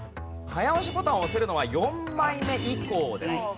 早押しボタンを押せるのは４枚目以降です。